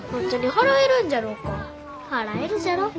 払えるじゃろ。